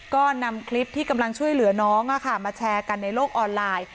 ก็นำคลิปที่กำลังช่วยเหลือน้องมาแชร์กันในโลกออนไลน์